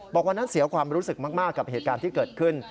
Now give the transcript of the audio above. วันนั้นเสียความรู้สึกมากกับเหตุการณ์ที่เกิดขึ้น